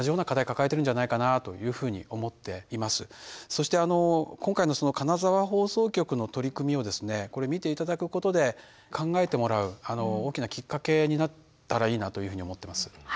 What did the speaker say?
そして今回の金沢放送局の取り組みを見て頂くことで考えてもらう大きなきっかけになったらいいなというふうに思ってます。